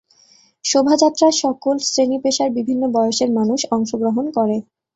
শোভাযাত্রায় সকল শ্রেণী-পেশার বিভিন্ন বয়সের মানুষ অংশগ্রহণ করে।